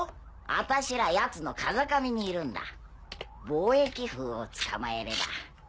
私らやつの風上にいるんだ貿易風をつかまえれば。